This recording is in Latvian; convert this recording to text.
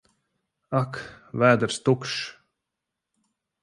Ak! Vēders tukšs!